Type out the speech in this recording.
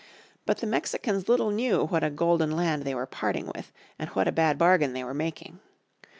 But the Mexicans little knew what a golden land they were parting with, and what a bad bargain they were making.